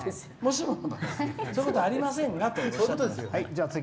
そういうことありませんがという。